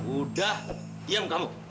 udah diam kamu